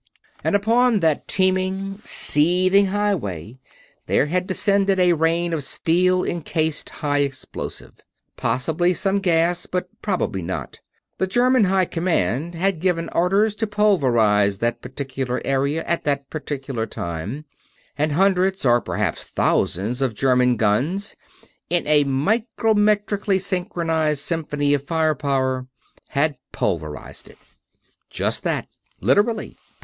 And upon that teeming, seething highway there had descended a rain of steel encased high explosive. Possibly some gas, but probably not. The German High Command had given orders to pulverize that particular area at that particular time; and hundreds, or perhaps thousands, of German guns, in a micrometrically synchronized symphony of firepower, had pulverized it. Just that. Literally.